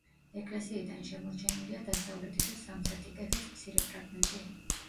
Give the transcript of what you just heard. ეკლესიიდან შემორჩენილია დასავლეთი და სამხრეთი კედლის მცირე ფრაგმენტი.